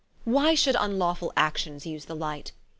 Why should vnlawfull actions vse the Light?